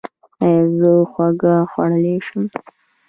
ایا زه هوږه خوړلی شم؟